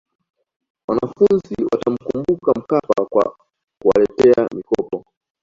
wanafunzi watamkumbuka mkapa kwa kuwaletea mikopo